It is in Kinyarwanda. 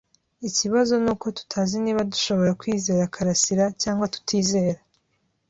Ikibazo nuko tutazi niba dushobora kwizera karasira cyangwa tutizera.